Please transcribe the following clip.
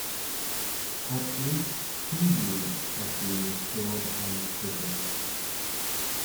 At least two units have been restored and preserved.